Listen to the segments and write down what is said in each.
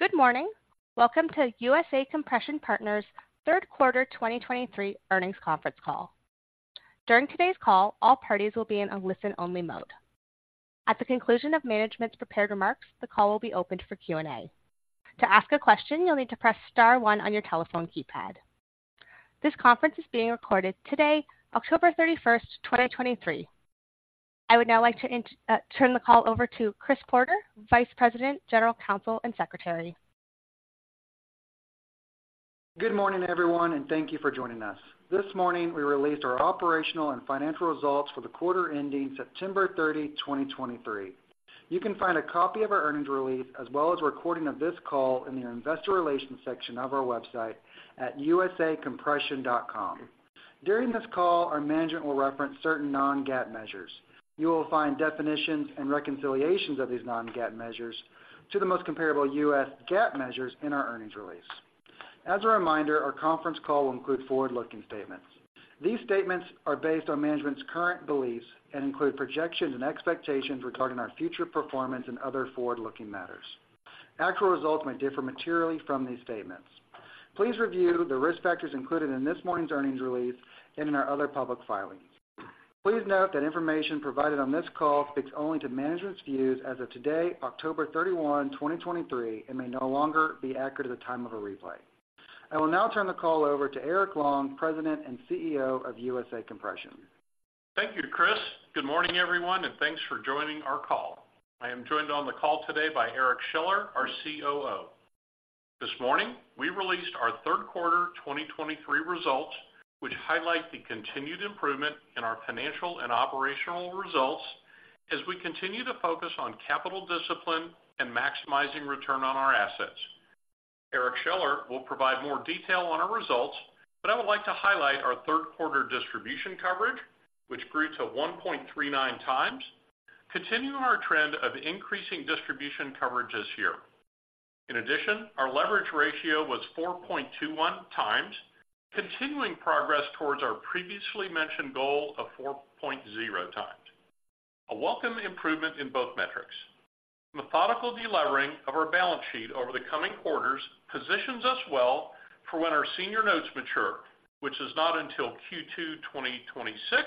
Good morning. Welcome to USA Compression Partners' third quarter 2023 earnings conference call. During today's call, all parties will be in a listen-only mode. At the conclusion of management's prepared remarks, the call will be opened for Q&A. To ask a question, you'll need to press star one on your telephone keypad. This conference is being recorded today, October 31st, 2023. I would now like to turn the call over to Chris Porter, Vice President, General Counsel, and Secretary. Good morning, everyone, and thank you for joining us. This morning, we released our operational and financial results for the quarter ending September 30, 2023. You can find a copy of our earnings release, as well as a recording of this call, in the investor relations section of our website at usacompression.com. During this call, our management will reference certain non-GAAP measures. You will find definitions and reconciliations of these non-GAAP measures to the most comparable U.S. GAAP measures in our earnings release. As a reminder, our conference call will include forward-looking statements. These statements are based on management's current beliefs and include projections and expectations regarding our future performance and other forward-looking matters. Actual results may differ materially from these statements. Please review the risk factors included in this morning's earnings release and in our other public filings. Please note that information provided on this call speaks only to management's views as of today, October 31, 2023, and may no longer be accurate at the time of a replay. I will now turn the call over to Eric Long, President and CEO of USA Compression. Thank you, Chris. Good morning, everyone, and thanks for joining our call. I am joined on the call today by Eric Scheller, our COO. This morning, we released our third quarter 2023 results, which highlight the continued improvement in our financial and operational results as we continue to focus on capital discipline and maximizing return on our assets. Eric Scheller will provide more detail on our results, but I would like to highlight our third quarter distribution coverage, which grew to 1.39x, continuing our trend of increasing distribution coverage this year. In addition, our leverage ratio was 4.21x, continuing progress towards our previously mentioned goal of 4.0x. A welcome improvement in both metrics. Methodical delevering of our balance sheet over the coming quarters positions us well for when our senior notes mature, which is not until Q2 2026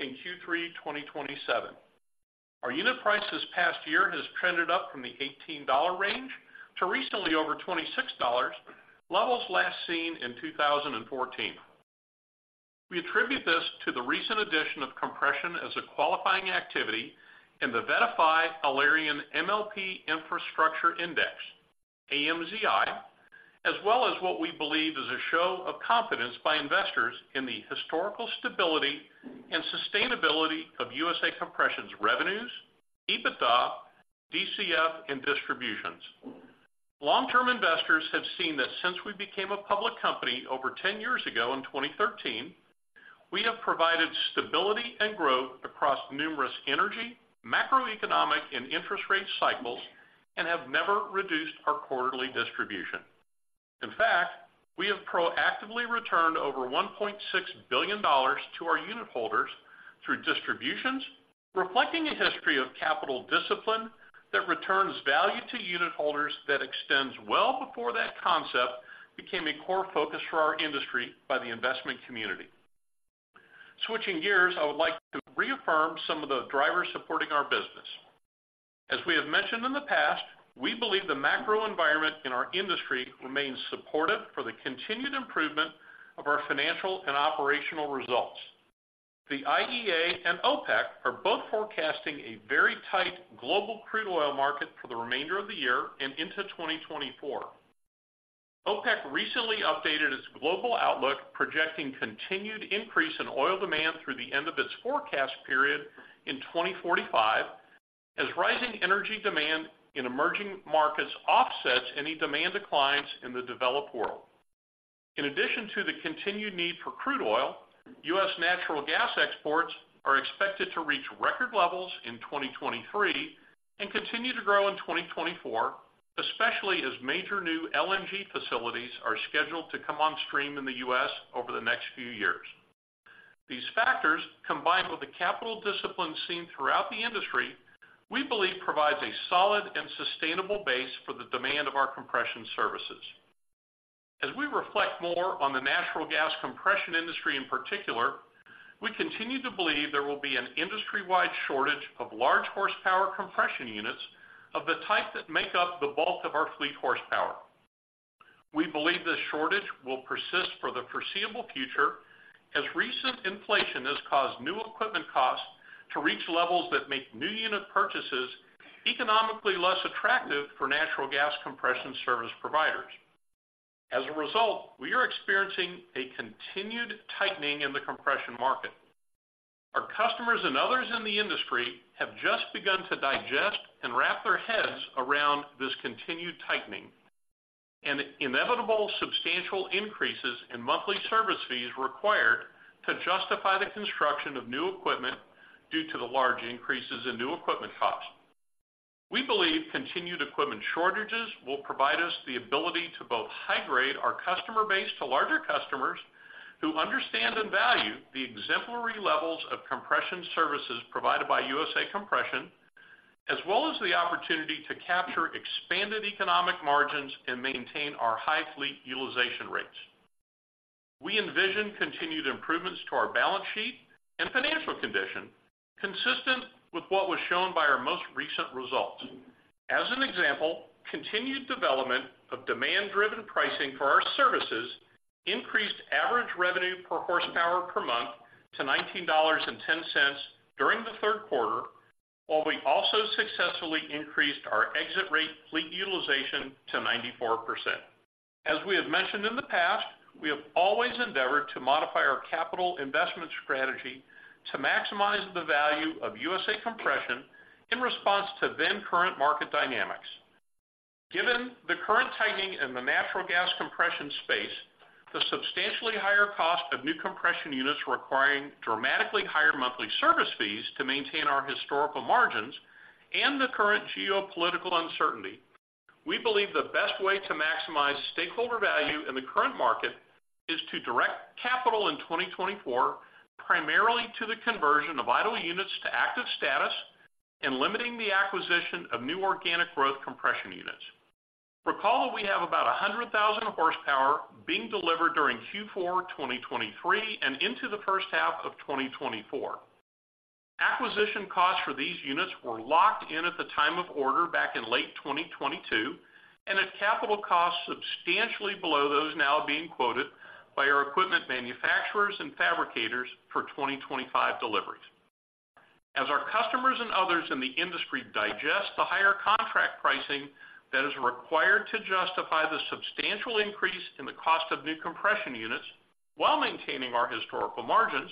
and Q3 2027. Our unit price this past year has trended up from the $18 range to recently over $26, levels last seen in 2014. We attribute this to the recent addition of compression as a qualifying activity in the VettaFi Alerian MLP Infrastructure Index, AMZI, as well as what we believe is a show of confidence by investors in the historical stability and sustainability of USA Compression's revenues, EBITDA, DCF, and distributions. Long-term investors have seen that since we became a public company over 10 years ago in 2013, we have provided stability and growth across numerous energy, macroeconomic, and interest rate cycles and have never reduced our quarterly distribution. In fact, we have proactively returned over $1.6 billion to our unitholders through distributions, reflecting a history of capital discipline that returns value to unitholders that extends well before that concept became a core focus for our industry by the investment community. Switching gears, I would like to reaffirm some of the drivers supporting our business. As we have mentioned in the past, we believe the macro environment in our industry remains supportive for the continued improvement of our financial and operational results. The IEA and OPEC are both forecasting a very tight global crude oil market for the remainder of the year and into 2024. OPEC recently updated its global outlook, projecting continued increase in oil demand through the end of its forecast period in 2045, as rising energy demand in emerging markets offsets any demand declines in the developed world. In addition to the continued need for crude oil, U.S. natural gas exports are expected to reach record levels in 2023 and continue to grow in 2024, especially as major new LNG facilities are scheduled to come on stream in the U.S. over the next few years. These factors, combined with the capital discipline seen throughout the industry, we believe provides a solid and sustainable base for the demand of our compression services. As we reflect more on the natural gas compression industry in particular, we continue to believe there will be an industry-wide shortage of large horsepower compression units of the type that make up the bulk of our fleet horsepower. We believe this shortage will persist for the foreseeable future, as recent inflation has caused new equipment costs to reach levels that make new unit purchases economically less attractive for natural gas compression service providers. As a result, we are experiencing a continued tightening in the compression market. Our customers and others in the industry have just begun to digest and wrap their heads around this continued tightening and inevitable substantial increases in monthly service fees required to justify the construction of new equipment due to the large increases in new equipment costs. We believe continued equipment shortages will provide us the ability to both high grade our customer base to larger customers who understand and value the exemplary levels of compression services provided by USA Compression, as well as the opportunity to capture expanded economic margins and maintain our high fleet utilization rates. We envision continued improvements to our balance sheet and financial condition, consistent with what was shown by our most recent results. As an example, continued development of demand-driven pricing for our services increased average revenue per horsepower per month to $19.10 during the third quarter, while we also successfully increased our exit rate fleet utilization to 94%. As we have mentioned in the past, we have always endeavored to modify our capital investment strategy to maximize the value of USA Compression in response to then current market dynamics. Given the current tightening in the natural gas compression space, the substantially higher cost of new compression units requiring dramatically higher monthly service fees to maintain our historical margins and the current geopolitical uncertainty, we believe the best way to maximize stakeholder value in the current market is to direct capital in 2024, primarily to the conversion of idle units to active status and limiting the acquisition of new organic growth compression units. Recall that we have about 100,000 horsepower being delivered during Q4 2023 and into the first half of 2024. Acquisition costs for these units were locked in at the time of order back in late 2022, and at capital costs substantially below those now being quoted by our equipment manufacturers and fabricators for 2025 deliveries. As our customers and others in the industry digest the higher contract pricing that is required to justify the substantial increase in the cost of new compression units, while maintaining our historical margins,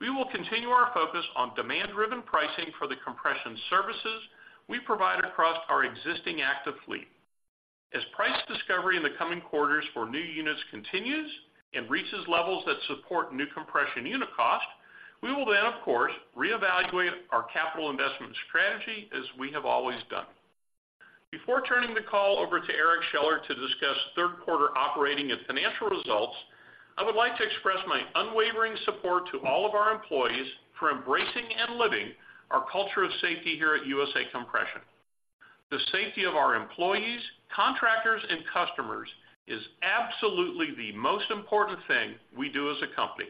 we will continue our focus on demand-driven pricing for the compression services we provide across our existing active fleet. As price discovery in the coming quarters for new units continues and reaches levels that support new compression unit cost, we will then, of course, reevaluate our capital investment strategy as we have always done. Before turning the call over to Eric Scheller to discuss third quarter operating and financial results, I would like to express my unwavering support to all of our employees for embracing and living our culture of safety here at USA Compression. The safety of our employees, contractors, and customers is absolutely the most important thing we do as a company.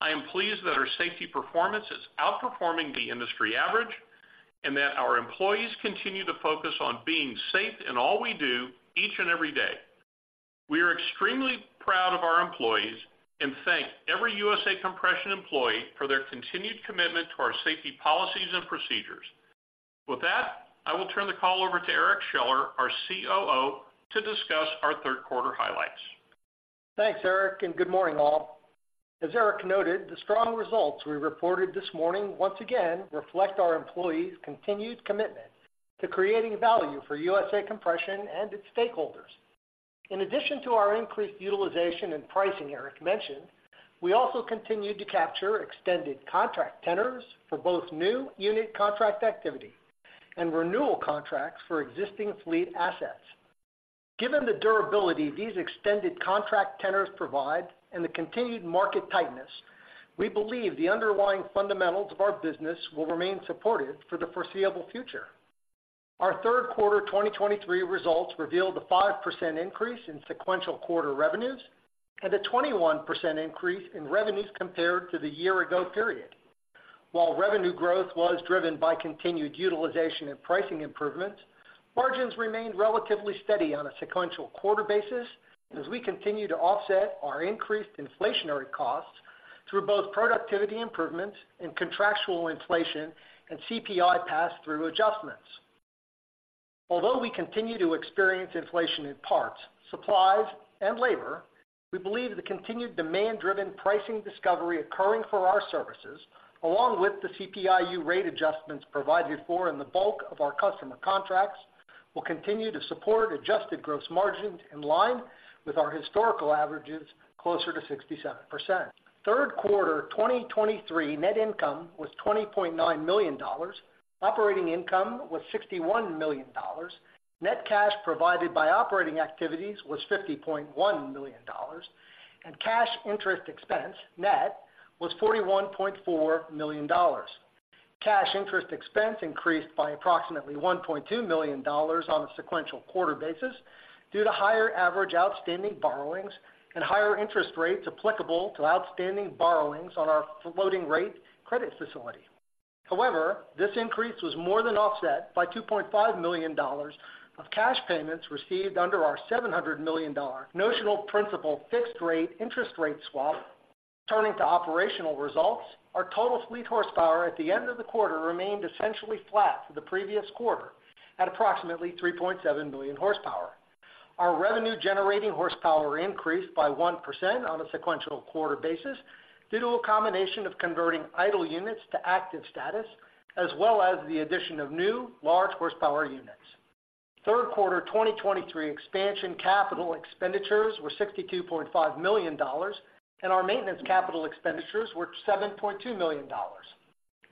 I am pleased that our safety performance is outperforming the industry average and that our employees continue to focus on being safe in all we do each and every day. We are extremely proud of our employees and thank every USA Compression employee for their continued commitment to our safety policies and procedures. With that, I will turn the call over to Eric Scheller, our COO, to discuss our third quarter highlights. Thanks, Eric, and good morning, all. As Eric noted, the strong results we reported this morning once again reflect our employees' continued commitment to creating value for USA Compression and its stakeholders. In addition to our increased utilization and pricing Eric mentioned, we also continued to capture extended contract tenors for both new unit contract activity and renewal contracts for existing fleet assets. Given the durability these extended contract tenors provide and the continued market tightness, we believe the underlying fundamentals of our business will remain supported for the foreseeable future. Our third quarter 2023 results revealed a 5% increase in sequential quarter revenues and a 21% increase in revenues compared to the year ago period. While revenue growth was driven by continued utilization and pricing improvements, margins remained relatively steady on a sequential quarter basis as we continue to offset our increased inflationary costs through both productivity improvements and contractual inflation and CPI pass-through adjustments. Although we continue to experience inflation in parts, supplies, and labor, we believe the continued demand-driven pricing discovery occurring for our services, along with the CPI-U rate adjustments provided for in the bulk of our customer contracts, will continue to support adjusted gross margins in line with our historical averages, closer to 67%. Third quarter 2023 net income was $20.9 million. Operating income was $61 million. Net cash provided by operating activities was $50.1 million, and cash interest expense net was $41.4 million. Cash interest expense increased by approximately $1.2 million on a sequential quarter basis due to higher average outstanding borrowings and higher interest rates applicable to outstanding borrowings on our floating rate credit facility. However, this increase was more than offset by $2.5 million of cash payments received under our $700 million notional principal fixed rate interest rate swap. Turning to operational results, our total fleet horsepower at the end of the quarter remained essentially flat to the previous quarter at approximately 3.7 million horsepower. Our revenue-generating horsepower increased by 1% on a sequential quarter basis due to a combination of converting idle units to active status, as well as the addition of new large horsepower units. Third quarter 2023 expansion capital expenditures were $62.5 million, and our maintenance capital expenditures were $7.2 million.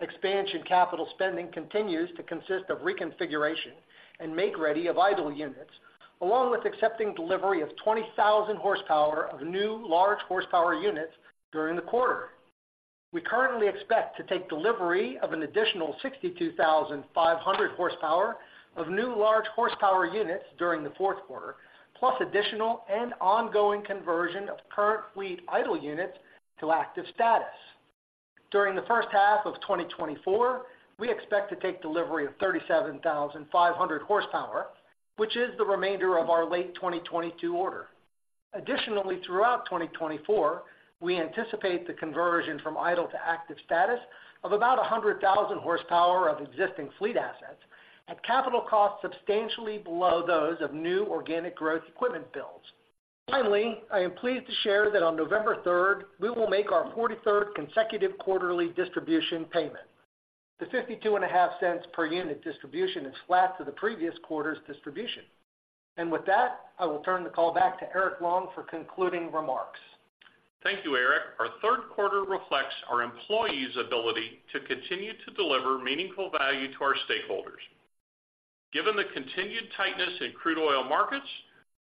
Expansion capital spending continues to consist of reconfiguration and make-ready of idle units, along with accepting delivery of 20,000 horsepower of new large horsepower units during the quarter. We currently expect to take delivery of an additional 62,500 horsepower of new large horsepower units during the fourth quarter, plus additional and ongoing conversion of current fleet idle units to active status. During the first half of 2024, we expect to take delivery of 37,500 horsepower, which is the remainder of our late 2022 order. Additionally, throughout 2024, we anticipate the conversion from idle to active status of about 100,000 horsepower of existing fleet assets at capital costs substantially below those of new organic growth equipment builds. Finally, I am pleased to share that on November 3rd, we will make our 43rd consecutive quarterly distribution payment. The $0.525 per unit distribution is flat to the previous quarter's distribution. With that, I will turn the call back to Eric Long for concluding remarks. Thank you, Eric. Our third quarter reflects our employees' ability to continue to deliver meaningful value to our stakeholders. Given the continued tightness in crude oil markets,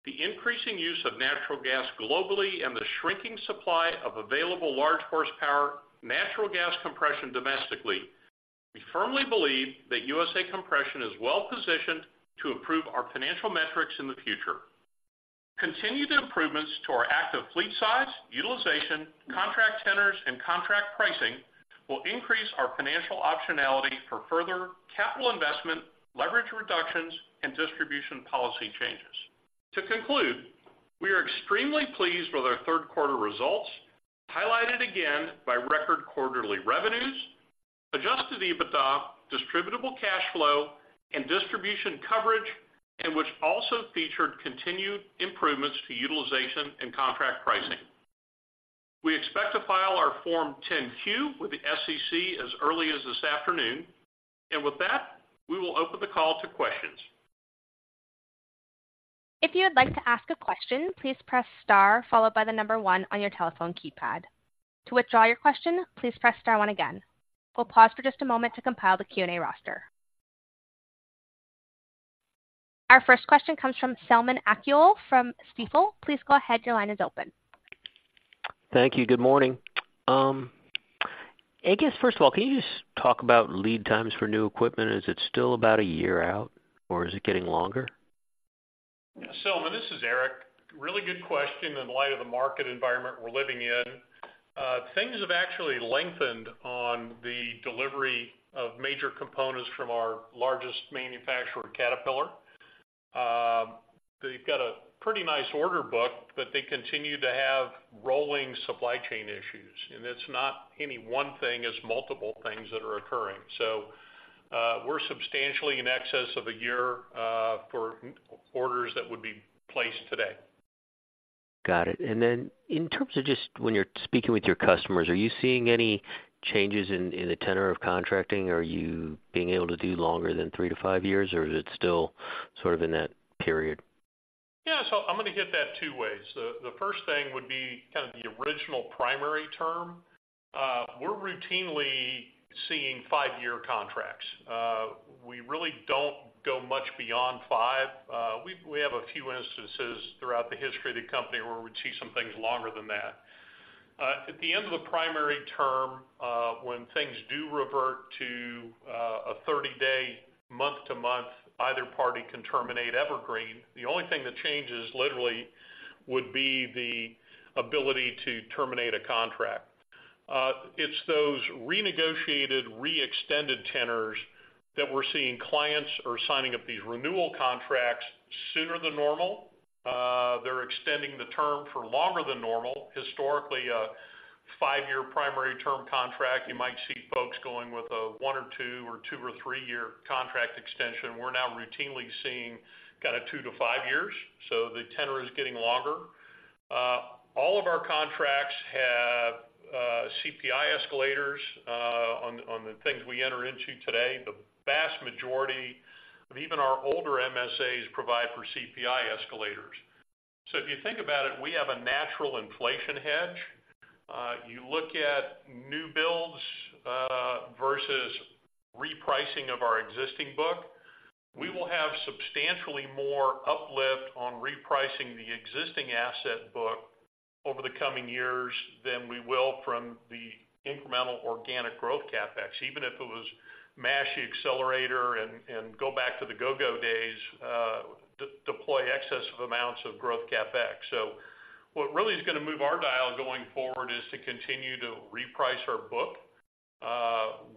the increasing use of natural gas globally, and the shrinking supply of available large horsepower natural gas compression domestically, we firmly believe that USA Compression is well positioned to improve our financial metrics in the future. Continued improvements to our active fleet size, utilization, contract tenors, and contract pricing will increase our financial optionality for further capital investment, leverage reductions, and distribution policy changes. To conclude, we are extremely pleased with our third quarter results, highlighted again by record quarterly revenues, Adjusted EBITDA, Distributable Cash Flow, and distribution coverage, and which also featured continued improvements to utilization and contract pricing. We expect to file our Form 10-Q with the SEC as early as this afternoon. With that, we will open the call to questions. If you would like to ask a question, please press star followed by the number one on your telephone keypad. To withdraw your question, please press star one again. We'll pause for just a moment to compile the Q&A roster. Our first question comes from Selman Akyol from Stifel. Please go ahead. Your line is open. Thank you. Good morning. I guess, first of all, can you just talk about lead times for new equipment? Is it still about a year out, or is it getting longer? Selman, this is Eric. Really good question in light of the market environment we're living in. Things have actually lengthened on the delivery of major components from our largest manufacturer, Caterpillar. They've got a pretty nice order book, but they continue to have rolling supply chain issues, and it's not any one thing, it's multiple things that are occurring. So, we're substantially in excess of a year, for orders that would be placed today. Got it. Then in terms of just when you're speaking with your customers, are you seeing any changes in the tenor of contracting? Are you being able to do longer than 3-5 years, or is it still sort of in that period? Yeah, so I'm gonna hit that two ways. The first thing would be kind of the original primary term. We're routinely seeing five-year contracts. We really don't go much beyond five. We have a few instances throughout the history of the company where we see some things longer than that. At the end of the primary term, when things do revert to a 30-day, month-to-month, either party can terminate evergreen, the only thing that changes literally would be the ability to terminate a contract. It's those renegotiated, reextended tenors that we're seeing clients are signing up these renewal contracts sooner than normal. They're extending the term for longer than normal. Historically, a five-year primary term contract, you might see folks going with a one or two, or two or three-year contract extension. We're now routinely seeing kind of 2-5 years, so the tenor is getting longer. All of our contracts have CPI escalators on the things we enter into today. The vast majority of even our older MSAs provide for CPI escalators. So if you think about it, we have a natural inflation hedge. You look at new builds versus repricing of our existing book, we will have substantially more uplift on repricing the existing asset book over the coming years than we will from the incremental organic growth CapEx, even if it was mash the accelerator and go back to the go-go days, deploy excess amounts of growth CapEx. So what really is gonna move our dial going forward is to continue to reprice our book.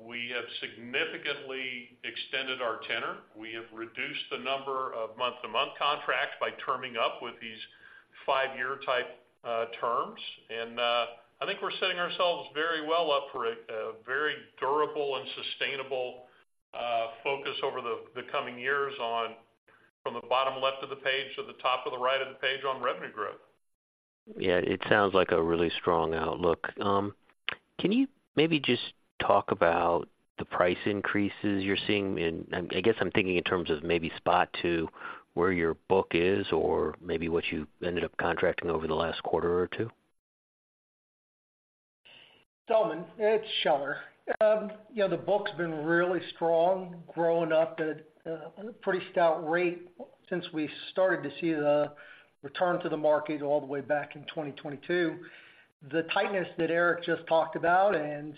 We have significantly extended our tenor. We have reduced the number of month-to-month contracts by terming up with these five-year type terms. I think we're setting ourselves very well up for a very durable and sustainable focus over the coming years on, from the bottom left of the page to the top of the right of the page on revenue growth. Yeah, it sounds like a really strong outlook. Can you maybe just talk about the price increases you're seeing? I guess I'm thinking in terms of maybe spot to where your book is, or maybe what you ended up contracting over the last quarter or two? Selman, it's Scheller. Yeah, the book's been really strong, growing up at a pretty stout rate since we started to see the return to the market all the way back in 2022. The tightness that Eric just talked about, and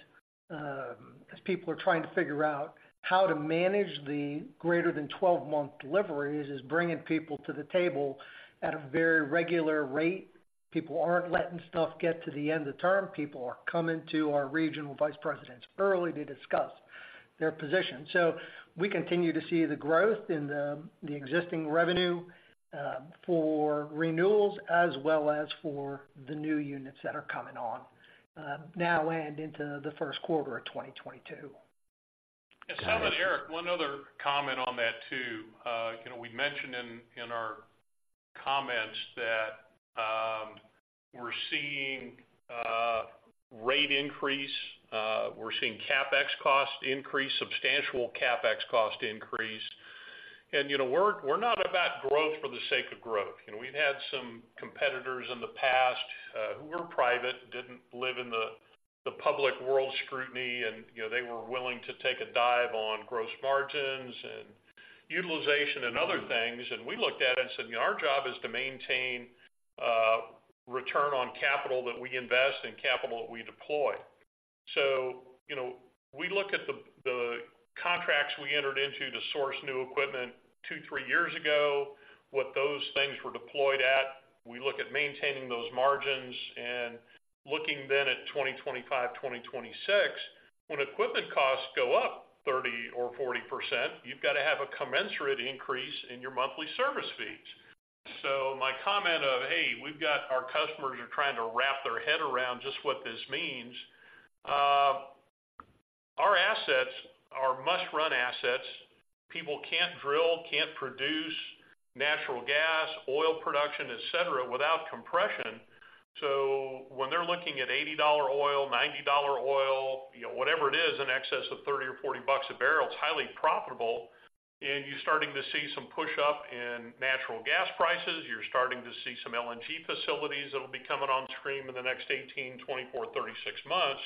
as people are trying to figure out how to manage the greater than 12-month deliveries, is bringing people to the table at a very regular rate. People aren't letting stuff get to the end of term. People are coming to our regional vice presidents early to discuss their position. So we continue to see the growth in the existing revenue for renewals as well as for the new units that are coming on now and into the first quarter of 2022. Selman, Eric, one other comment on that, too. You know, we mentioned in our comments that we're seeing rate increase, we're seeing CapEx cost increase, substantial CapEx cost increase. You know, we're not about growth for the sake of growth. You know, we've had some competitors in the past who were private, didn't live in the public world scrutiny, and you know, they were willing to take a dive on gross margins and utilization and other things. We looked at it and said, "Our job is to maintain return on capital that we invest and capital that we deploy." You know, we look at the contracts we entered into to source new equipment two, three years ago, what those things were deployed at. We look at maintaining those margins and looking then at 2025, 2026, when equipment costs go up 30% or 40%, you've got to have a commensurate increase in your monthly service fees. So my comment of, "Hey, we've got our customers are trying to wrap their head around just what this means," our assets are must-run assets. People can't drill, can't produce natural gas, oil production, et cetera, without compression. So when they're looking at $80 oil, $90 oil, you know, whatever it is, in excess of $30 or $40 a barrel, it's highly profitable, and you're starting to see some push-up in natural gas prices. You're starting to see some LNG facilities that will be coming on stream in the next 18, 24, 36 months.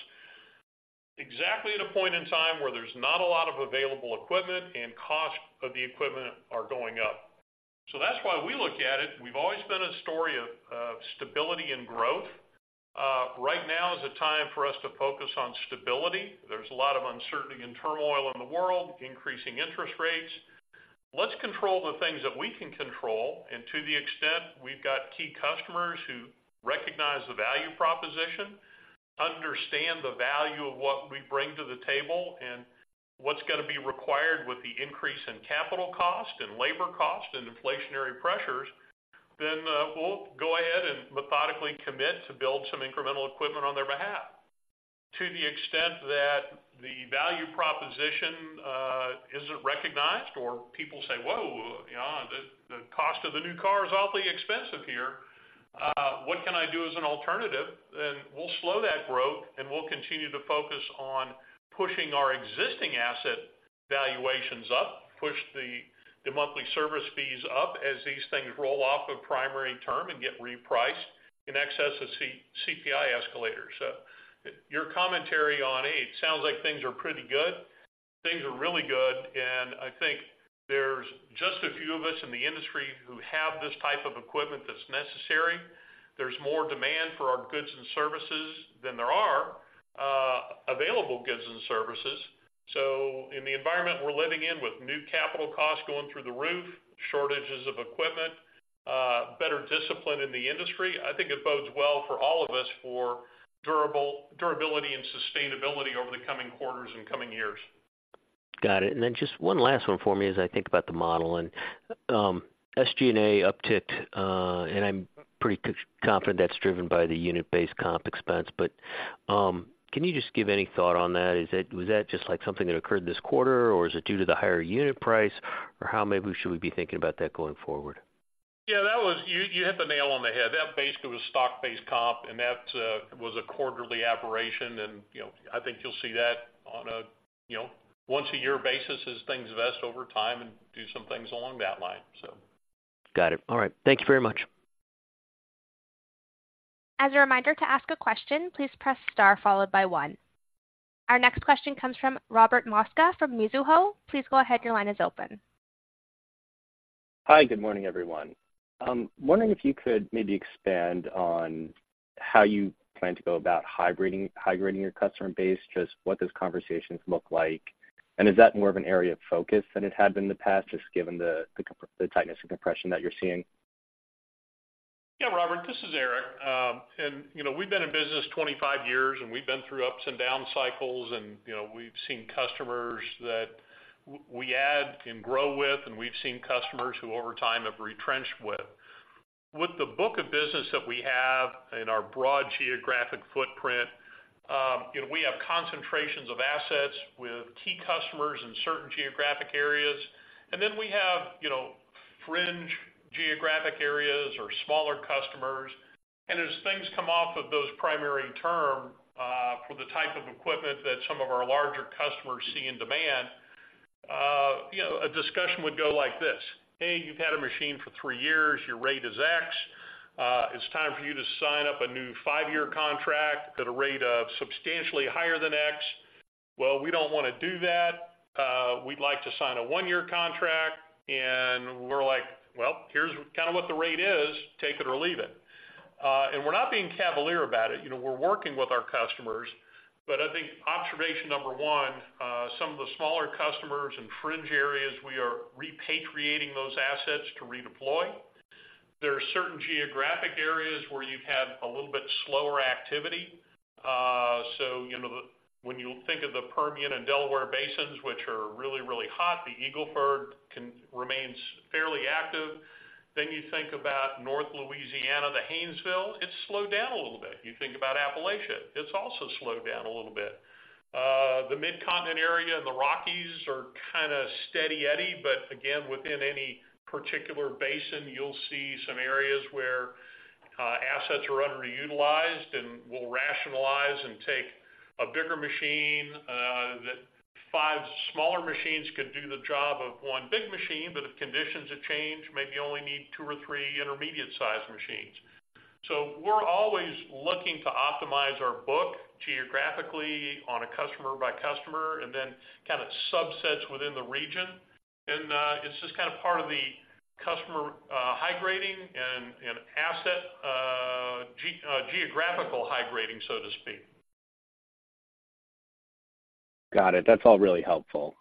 Exactly at a point in time where there's not a lot of available equipment and cost of the equipment are going up. So that's why we look at it. We've always been a story of stability and growth. Right now is a time for us to focus on stability. There's a lot of uncertainty and turmoil in the world, increasing interest rates. Let's control the things that we can control, and to the extent we've got key customers who recognize the value proposition, understand the value of what we bring to the table, and what's going to be required with the increase in capital cost and labor cost and inflationary pressures, then, we'll go ahead and methodically commit to build some incremental equipment on their behalf. To the extent that the value proposition, isn't recognized, or people say, "Whoa!" You know, the cost of the new car is awfully expensive here. What can I do as an alternative? Then we'll slow that growth, and we'll continue to focus on pushing our existing asset valuations up, push the monthly service fees up as these things roll off of primary term and get repriced in excess of CPI escalators. So your commentary on, A, it sounds like things are pretty good. Things are really good, and I think there's just a few of us in the industry who have this type of equipment that's necessary. There's more demand for our goods and services than there are available goods and services. So in the environment we're living in, with new capital costs going through the roof, shortages of equipment, better discipline in the industry, I think it bodes well for all of us for durability and sustainability over the coming quarters and coming years. Got it. Then just one last one for me as I think about the model and SG&A uptick, and I'm pretty confident that's driven by the unit-based comp expense. But can you just give any thought on that? Is that—was that just, like, something that occurred this quarter, or is it due to the higher unit price, or how maybe we should be thinking about that going forward? Yeah, that was... You hit the nail on the head. That basically was stock-based comp, and that was a quarterly aberration and, you know, I think you'll see that on a, you know, once-a-year basis as things vest over time and do some things along that line, so. Got it. All right. Thank you very much. As a reminder, to ask a question, please press star followed by one. Our next question comes from Robert Mosca from Mizuho. Please go ahead. Your line is open. Hi, good morning, everyone. Wondering if you could maybe expand on how you plan to go about hybriding-- hybridizing your customer base, just what those conversations look like, and is that more of an area of focus than it had been in the past, just given the tightness of compression that you're seeing? Yeah, Robert, this is Eric, and, you know, we've been in business 25 years, and we've been through ups and down cycles and, you know, we've seen customers that we add and grow with, and we've seen customers who over time have retrenched with. With the book of business that we have and our broad geographic footprint, you know, we have concentrations of assets with key customers in certain geographic areas. Then we have, you know, fringe geographic areas or smaller customers, and as things come off of those primary terms equipment that some of our larger customers see in demand, you know, a discussion would go like this: "Hey, you've had a machine for three years, your rate is X. It's time for you to sign up a new five-year contract at a rate of substantially higher than X. "Well, we don't wanna do that. We'd like to sign a one-year contract." We're like, "Well, here's kind of what the rate is, take it or leave it." We're not being cavalier about it, you know, we're working with our customers, but I think observation number one, some of the smaller customers in fringe areas, we are repatriating those assets to redeploy. There are certain geographic areas where you've had a little bit slower activity. So, you know, when you think of the Permian and Delaware Basins, which are really, really hot, the Eagle Ford remains fairly active. Then you think about North Louisiana, the Haynesville, it's slowed down a little bit. You think about Appalachia, it's also slowed down a little bit. The Mid-Continent area and the Rockies are kind of steady eddy, but again, within any particular basin, you'll see some areas where, assets are underutilized, and we'll rationalize and take a bigger machine, that five smaller machines could do the job of one big machine, but if conditions have changed, maybe you only need two or three intermediate-sized machines. So we're always looking to optimize our book geographically on a customer by customer, and then kind of subsets within the region and it's just kind of part of the customer, high grading and asset, geographical high grading, so to speak. Got it. That's all really helpful.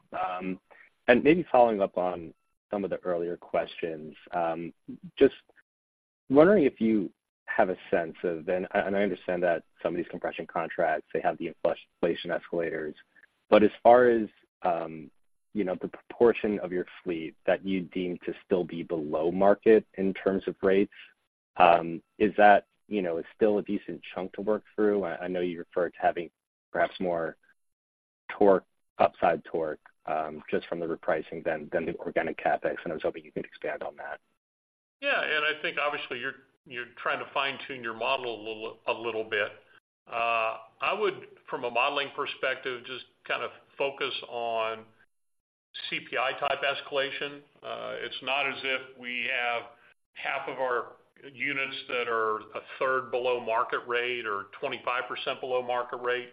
Maybe following up on some of the earlier questions, just wondering if you have a sense of, and I understand that some of these compression contracts, they have the inflation escalators, but as far as, you know, the proportion of your fleet that you deem to still be below market in terms of rates, is that, you know, still a decent chunk to work through? I know you referred to having perhaps more torque, upside torque, just from the repricing than the organic CapEx, and I was hoping you could expand on that. Yeah, and I think obviously, you're trying to fine-tune your model a little bit. I would, from a modeling perspective, just kind of focus on CPI-type escalation. It's not as if we have half of our units that are a third below market rate or 25% below market rate.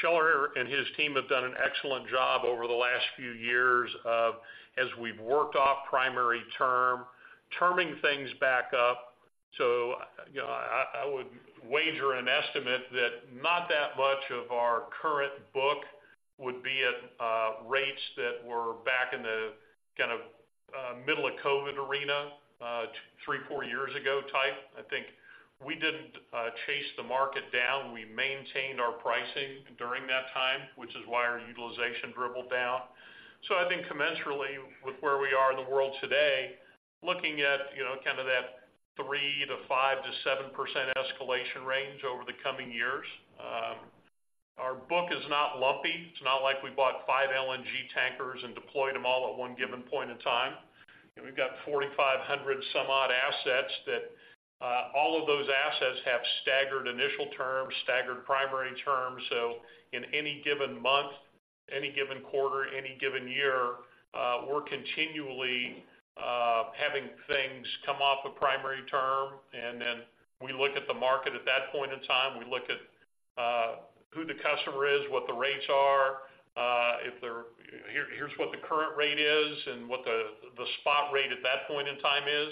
Scheller and his team have done an excellent job over the last few years of, as we've worked off primary term, terming things back up. So, you know, I would wager an estimate that not that much of our current book would be at rates that were back in the kind of middle of COVID arena, three, four years ago type. I think we didn't chase the market down. We maintained our pricing during that time, which is why our utilization dribbled down. So I think commensurately with where we are in the world today, looking at, you know, kind of that 3% to 5% to 7% escalation range over the coming years, our book is not lumpy. It's not like we bought five LNG tankers and deployed them all at one given point in time and we've got 4,500 some odd assets that all of those assets have staggered initial terms, staggered primary terms. So in any given month, any given quarter, any given year, we're continually having things come off of primary term, and then we look at the market at that point in time. We look at who the customer is, what the rates are, here's what the current rate is and what the spot rate at that point in time is.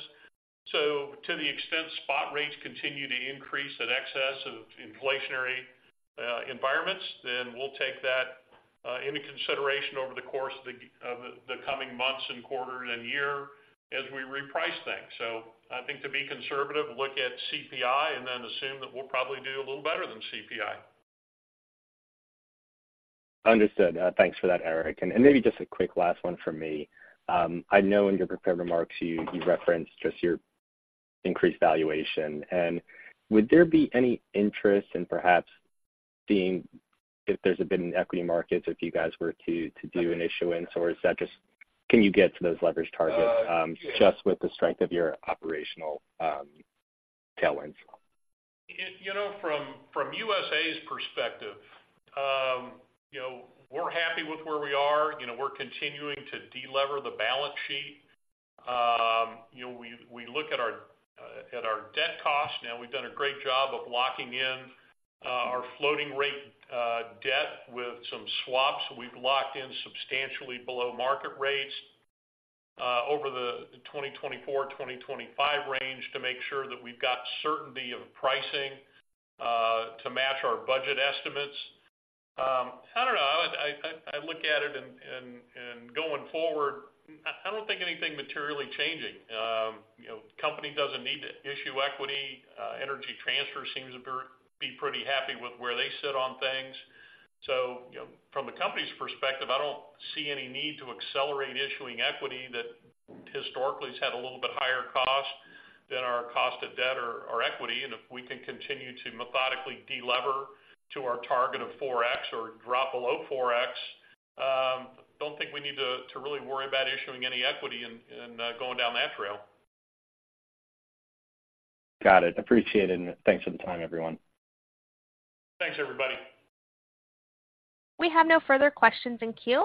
So to the extent spot rates continue to increase in excess of inflationary environments, then we'll take that into consideration over the course of the coming months and quarters and year as we reprice things. So I think to be conservative, look at CPI and then assume that we'll probably do a little better than CPI. Understood. Thanks for that, Eric. Maybe just a quick last one from me. I know in your prepared remarks, you referenced just your increased valuation and would there be any interest in perhaps seeing if there's a bid in equity markets if you guys were to do an issuance, or is that just... Can you get to those leverage targets just with the strength of your operational tailwinds? You know, from USA's perspective, you know, we're happy with where we are. You know, we're continuing to delever the balance sheet. You know, we look at our debt costs, and we've done a great job of locking in our floating rate debt with some swaps. We've locked in substantially below market rates over the 2024, 2025 range to make sure that we've got certainty of pricing to match our budget estimates. I don't know. I look at it and going forward, I don't think anything materially changing. You know, company doesn't need to issue equity. Energy Transfer seems to be pretty happy with where they sit on things. So, you know, from the company's perspective, I don't see any need to accelerate issuing equity that historically has had a little bit higher cost than our cost of debt or equity and if we can continue to methodically delever to our target of 4x or drop below 4x, don't think we need to really worry about issuing any equity and going down that trail. Got it. Appreciate it, and thanks for the time, everyone. Thanks, everybody. We have no further questions in queue.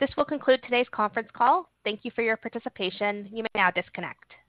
This will conclude today's conference call. Thank you for your participation. You may now disconnect.